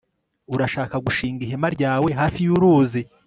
urashaka gushinga ihema ryawe hafi yuruzi